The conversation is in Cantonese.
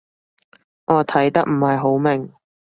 我睇得唔係好明